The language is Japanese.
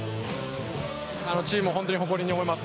チームを本当に誇りに思います。